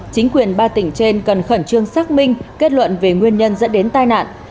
chính quyền ba tỉnh trên cần khẩn trương xác minh kết luận về nguyên nhân dẫn đến tai nạn